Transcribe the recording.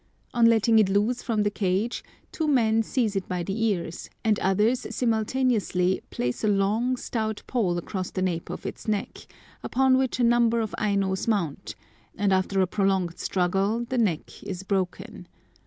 On letting it loose from the cage two men seize it by the ears, and others simultaneously place a long, stout pole across the nape of its neck, upon which a number of Ainos mount, and after a prolonged struggle the neck is broken.